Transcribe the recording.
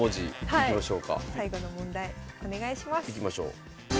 いきましょう。